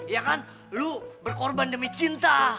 iya kan lo berkorban demi cinta